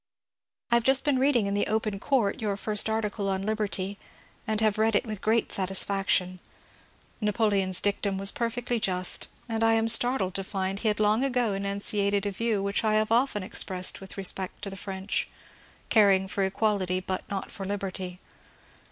I have just been reading in " The Open Court " your first article on ^^ Liberty," and have read it with great satisfaction. Napoleon's dictum was perfectly just, and I am startled to find that he had long ago enunciated a view which I have often expressed with respect to the French — caring for equal ity, but not for liberty.